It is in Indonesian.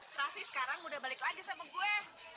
tapi sekarang udah balik lagi sama gue